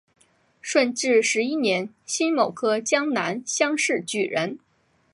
顺治十一年辛卯科江南乡试举人。